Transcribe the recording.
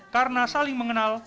karena saling mengenal